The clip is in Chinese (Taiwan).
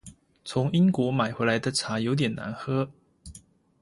從英國買回來的茶有點難喝